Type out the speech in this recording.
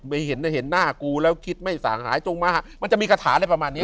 ไม่เห็นหน้ากูแล้วคิดไม่สาหายจงมามันจะมีกระถาได้ประมาณนี้